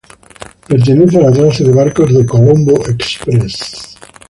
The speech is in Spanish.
Pertenece a la clase de barcos de Colombo Express.